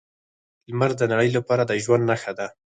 لمر د نړۍ لپاره د ژوند نښه ده.